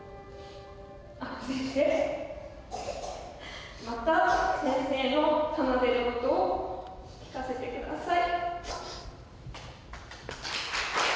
明子先生、また先生の奏でる音を聴かせてください。